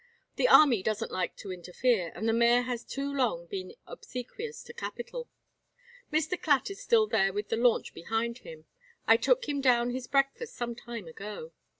The army doesn't like to interfere, and the mayor has too long been obsequious to capital. Mr. Clatt is still there with the launch behind him. I took him down his breakfast some time ago.